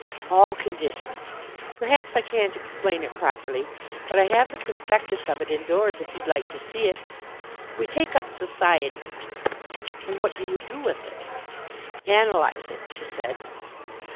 "All conditions. Perhaps I can't explain it properly. But I have the prospectus of it indoors if you'd like to see it. We take up Society." "And what do you do with it?" "Analyse it," she said.